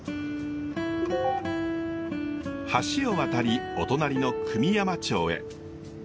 橋を渡りお隣の久御山町へ。